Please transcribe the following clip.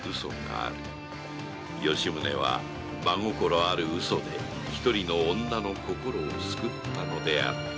吉宗は真心あるウソでひとりの女の心を救ったのであった